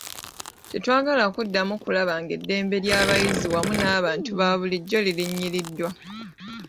Tetwagala kuddamu kulaba ng'eddembe ly'abayizi wamu n'abantu babulijjo lirinyiriddwa.